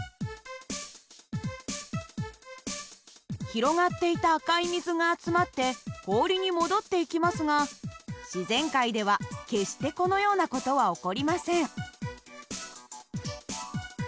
広がっていた赤い水が集まって氷に戻っていきますが自然界では決してこのような事は起こりません。